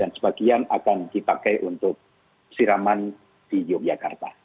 dan sebagian akan dipakai untuk siraman di yogyakarta